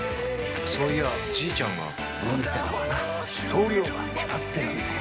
そういやじいちゃんが運ってのはな量が決まってるんだよ。